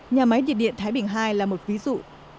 nhà máy nhiệt điện thái bình ii là một ví dụ